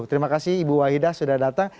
terima kasih ibu wahida sudah datang